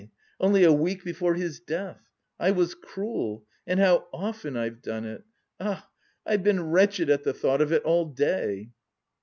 Only a week before his death. I was cruel! And how often I've done it! Ah, I've been wretched at the thought of it all day!"